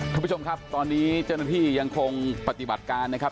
คุณผู้ชมครับตอนนี้เจ้าหน้าที่ยังคงปฏิบัติการนะครับ